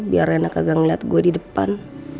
biar reina kagak ngeliat gue di depan